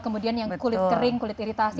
kemudian yang kulit kering kulit iritasi